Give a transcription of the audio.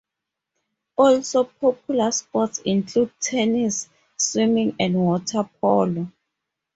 Also, popular sports include tennis, swimming and water polo.